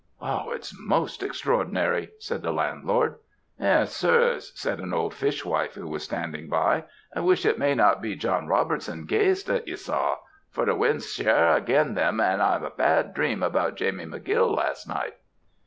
"'It's most extraordinary,' said the landlord. "'Eh, sirs,' said an old fishwife, who was standing by, 'I wish it may not be John Robertson's ghaist that ye saw, for the wind's sair agin them, and I'd a bad dream about Jamie McGill last night.'